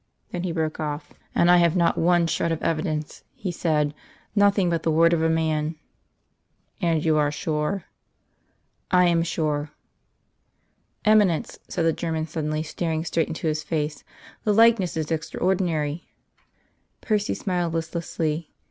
Then he broke off. "And I have not one shred of evidence," he said; "nothing but the word of a man." "And you are sure?" "I am sure." "Eminence," said the German suddenly, staring straight into his face, "the likeness is extraordinary." Percy smiled listlessly.